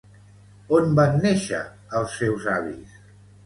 On van néixer els seus avis?